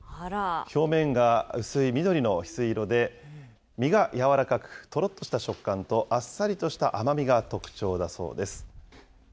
表面が薄い緑のひすい色で、実が柔らかく、とろっとした食感と、あっさりとした甘みが特徴だそうです。